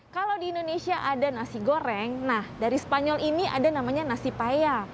kalau di indonesia ada nasi goreng nah dari spanyol ini ada namanya nasi paya